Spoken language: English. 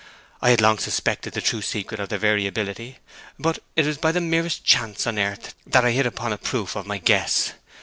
I had long suspected the true secret of their variability; but it was by the merest chance on earth that I hit upon a proof of my guess.